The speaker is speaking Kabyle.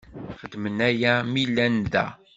Xedmen aya mi llan da.